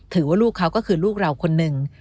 ลูกเขาก็คือลูกเราคนหนึ่ง